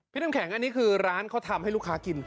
น้ำแข็งอันนี้คือร้านเขาทำให้ลูกค้ากิน